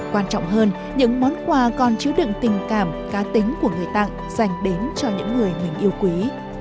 quan trọng hơn những món quà còn chứa đựng tình cảm cá tính của người tặng dành đến cho những người mình yêu quý